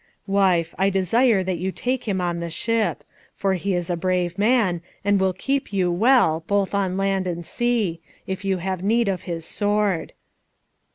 "Wife, I desire that you take him on the ship; for he is a brave man, and will keep you well, both on land and sea, if you have need of his sword."